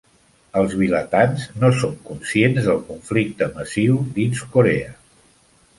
Els vilatans no són conscients del conflicte massiu dins Corea.